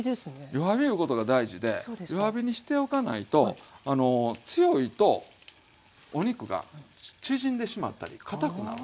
弱火いうことが大事で弱火にしておかないと強いとお肉が縮んでしまったりかたくなるんですよ。